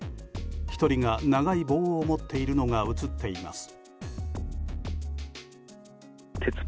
１人が長い棒を持っているのが映っています。